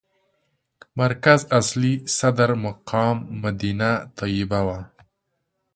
مرکز اصلي صدر مقام مدینه طیبه وه.